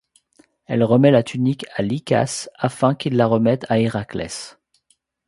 Elle remet la tunique à Lichas afin qu'il la remette à Héraclès.